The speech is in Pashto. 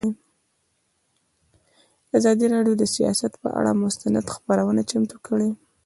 ازادي راډیو د سیاست پر اړه مستند خپرونه چمتو کړې.